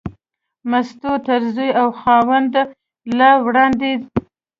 مستو تر زوی او خاوند لا وړاندې.